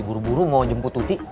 buru buru mau jemput tuti